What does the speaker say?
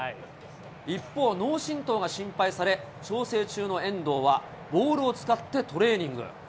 一方、脳震とうが心配され、調整中の遠藤は、ボールを使ってトレーニング。